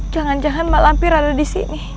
jangan jangan malampir ada di sini